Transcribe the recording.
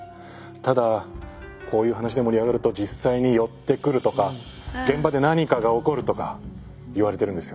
ただこういう話で盛り上がると実際に寄ってくるとか現場で何かが起こるとかいわれてるんですよ。